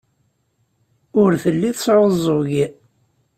Ur telli tesɛuẓẓug.